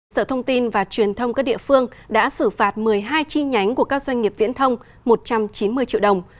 sở thông tin và truyền thông các địa phương đã xử phạt một mươi hai chi nhánh của các doanh nghiệp viễn thông một trăm chín mươi triệu đồng